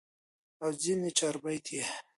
او ځني چاربيتې ئې